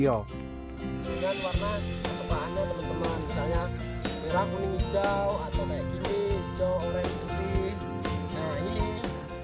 ini adalah teman teman misalnya merang kuning hijau atau kayak gini hijau orang putih